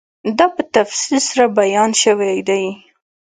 دا په تفصیل سره بیان شوی دی